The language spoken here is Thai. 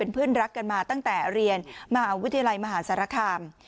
เพื่อนรักกันมาตั้งแต่เรียนมหาวิทยาลัยมหาสารคาม